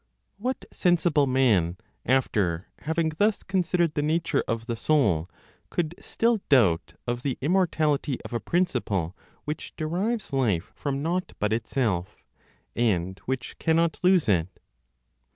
What sensible man, after having thus considered the nature of the soul, could still doubt of the immortality of a principle which derives life from naught but itself, and which cannot lose it?